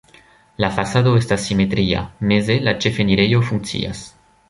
La fasado estas simetria, meze la ĉefenirejo funkcias.